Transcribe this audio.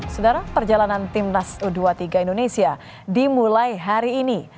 saudara perjalanan timnas u dua puluh tiga indonesia dimulai hari ini